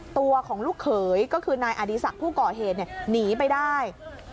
ตัวของลูกเขยก็คือนายอดีศักดิ์ผู้ก่อเหตุหนีไปได้